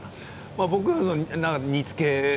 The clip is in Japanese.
僕は煮つけ。